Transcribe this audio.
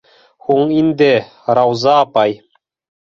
Һуң инде, Рауза апай...